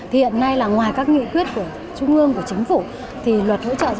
hiện nay ngoài các nghị quyết của trung ương của chính phủ